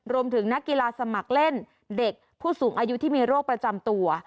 นักกีฬาสมัครเล่นเด็กผู้สูงอายุที่มีโรคประจำตัว